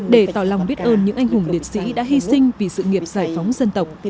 để tỏ lòng biết ơn những anh hùng liệt sĩ đã hy sinh vì sự nghiệp giải phóng dân tộc